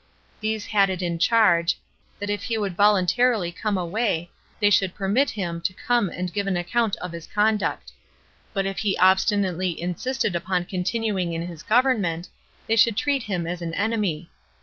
These had it in charge, that if he would voluntarily come away, they should permit him to [come and] give an account of his conduct; but if he obstinately insisted upon continuing in his government, they should treat him as an enemy.